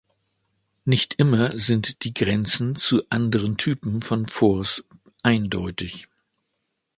Nicht immer sind die Grenzen zu anderen Typen von Forts eindeutig.